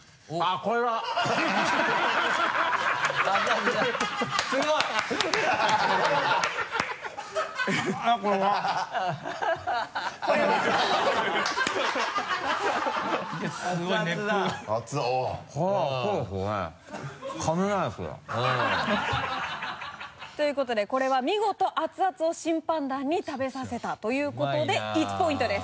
これ熱いですねかめないです。ということでこれは見事熱々を審判団に食べさせたということで１ポイントです。